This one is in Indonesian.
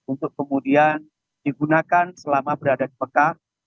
untuk kemudian digunakan selama berada di mekah